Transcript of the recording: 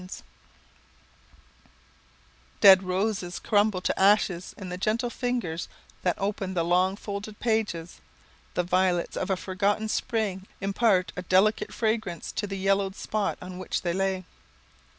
[Sidenote: Dead Roses] Dead roses crumble to ashes in the gentle fingers that open the long folded pages the violets of a forgotten spring impart a delicate fragrance to the yellowed spot on which they lay.